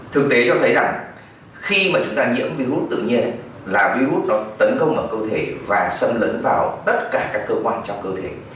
thực tế cho thấy rằng khi mà chúng ta nhiễm virus tự nhiên là virus đó tấn công vào cơ thể và xâm lấn vào tất cả các cơ quan trong cơ thể